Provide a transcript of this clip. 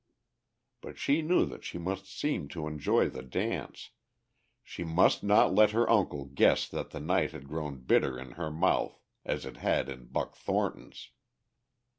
But she knew that she must seem to enjoy the dance, she must not let her uncle guess that the night had grown bitter in her mouth as it had in Buck Thornton's.